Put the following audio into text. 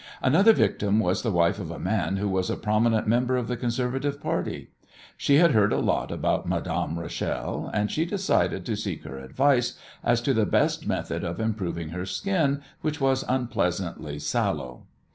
Another victim was the wife of a man who was a prominent member of the Conservative Party. She had heard a lot about Madame Rachel, and she decided to seek her advice as to the best method of improving her skin, which was unpleasantly sallow.